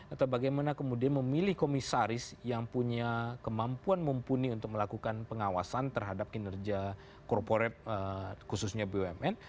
atau bagaimana kemudian memilih komisaris yang punya kemampuan mumpuni untuk melakukan pengawasan terhadap kinerja korporat khususnya bumn